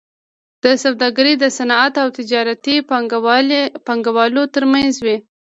دا سوداګري د صنعتي او تجارتي پانګوالو ترمنځ وي